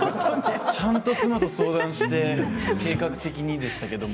ちゃんと妻と相談して計画的にでしたけど。